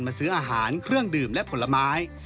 ซื้ออาหารเครื่องดื่มและผลไม้